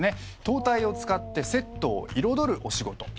灯体を使ってセットを彩るお仕事。